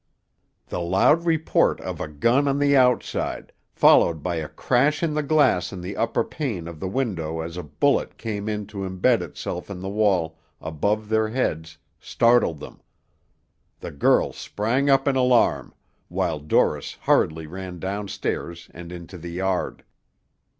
The loud report of a gun on the outside, followed by a crash in the glass in the upper pane of the window as a bullet came in to imbed itself in the wall above their heads, startled them. The girl sprang up in alarm, while Dorris hurriedly ran down stairs and into the yard.